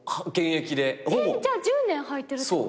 じゃあ１０年はいてるってこと？